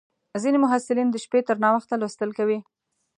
ځینې محصلین د شپې تر ناوخته لوستل کوي.